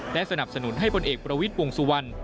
และสนับสนุนให้บริเหกบรวิษปวงศัวร์สุวรรรค์